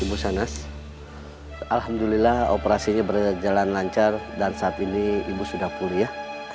ibu sanas alhamdulillah operasinya berjalan lancar dan saat ini ibu sudah kuliah